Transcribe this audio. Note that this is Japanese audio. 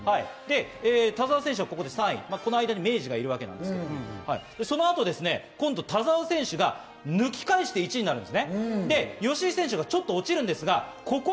田澤選手が３位、この間に明治がいるわけですが、そのあと今度、田澤選手が抜き返して１位になります。